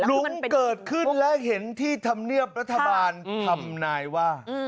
ลุงเกิดขึ้นและเห็นที่ธรรมเนียบรัฐบาลทำนายว่า